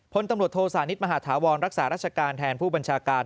พลตำรวจโทสานิทมหาฐาวรรักษาราชการแทนผู้บัญชาการ